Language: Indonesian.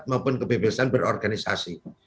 maupun kebebasan berorganisasi